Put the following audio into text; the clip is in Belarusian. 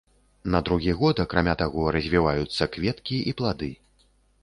На другі год акрамя таго развіваюцца кветкі і плады.